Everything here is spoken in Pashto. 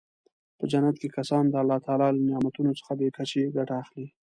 په جنت کې کسان د الله تعالی له نعمتونو څخه بې کچې ګټه اخلي.